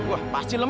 wah pasti lemes